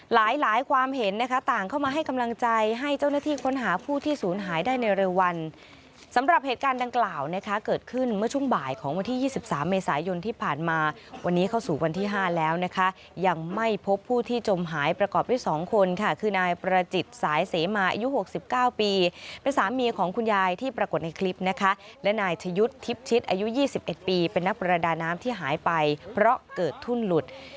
ให้เจ้าหน้าที่ค้นหาผู้ที่สูญหายได้ในเรือวันสำหรับเหตุการณ์ดังกล่าวนะคะเกิดขึ้นเมื่อช่วงบ่ายของวันที่๒๓เมษายนที่ผ่านมาวันนี้เข้าสู่วันที่๕แล้วนะคะยังไม่พบผู้ที่จมหายประกอบที่๒คนค่ะคือนายประจิตสายเสมออายุ๖๙ปีเป็นสามีของคุณยายที่ปรากฏในคลิปนะคะและนายถยุทธิบชิดอายุ๒๑ปีเป็นนักป